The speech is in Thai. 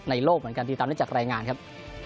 โลกเหมือนกันติดตามได้จากรายงานครับ